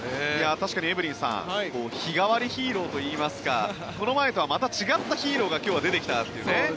確かにエブリンさん日替わりヒーローといいますかこの前とはまた違ったヒーローが今日は出てきましたね。